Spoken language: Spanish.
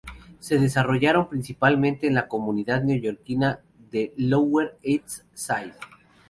Se desarrollaron principalmente en la comunidad neoyorquina de Lower East Side.